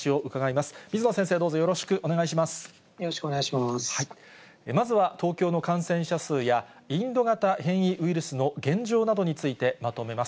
まずは東京の感染者数や、インド型変異ウイルスの現状などについて、まとめます。